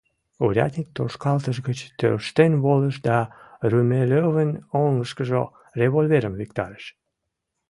Урядник тошкалтыш гыч тӧрштен волыш да Румелёвын оҥышкыжо револьверым виктарыш: